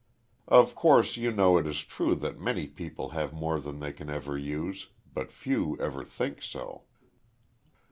Of course, you know, it is true that many people have more than they can ever use; but few ever think so.